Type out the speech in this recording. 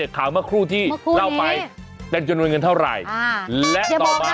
ข่าวเมื่อครู่ที่เล่าไปเป็นจำนวนเงินเท่าไหร่และต่อมา